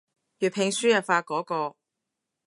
粵拼輸入法嗰個